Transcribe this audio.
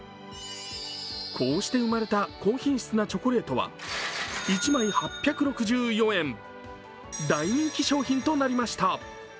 こうして生まれた高品質なチョコレートは１枚８６４円、大人気商品となりました